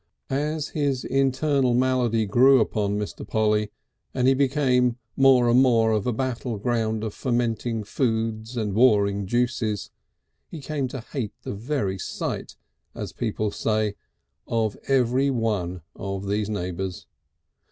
As his internal malady grew upon Mr. Polly and he became more and more a battle ground of fermenting foods and warring juices, he came to hate the very sight, as people say, of every one of these neighbours.